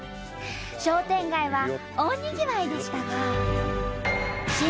商店街は大にぎわいでしたが。